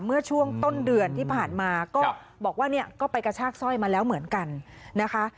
เมื่อช่วงต้นเดือนที่ผ่านมาก็บอกว่าเนี่ยก็ไปกระชากสร้อยมาแล้วเหมือนกันนะคะ